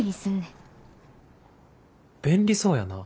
便利そうやな。